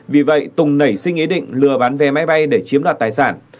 vì vậy tùng nảy sinh ý định lừa bán vé máy bay để chiếm đoạt tài sản